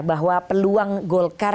bahwa peluang golkar